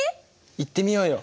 行ってみようよ。